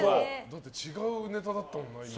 だって違うネタだったもんな。